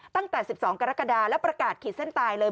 ตั้งแต่๑๒กรกฎาแล้วประกาศขีดเส้นตายเลย